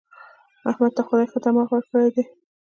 احمد ته خدای ښه دماغ ورکړی دی.